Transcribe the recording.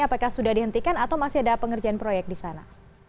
apakah sudah dihentikan atau masih ada pengerjaan proyek di sana